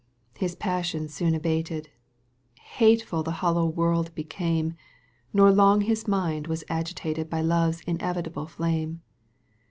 Bus passions soon abated, ^ Hateful the hollow world became, . Nor long his mind was agitated By love's inevitable flame.